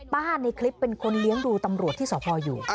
ในคลิปเป็นคนเลี้ยงดูตำรวจที่สพอยู่